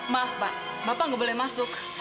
maaf pak bapak nggak boleh masuk